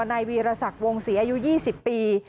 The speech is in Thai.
นายวีรศักดิ์วงศรีอายุ๒๐ปี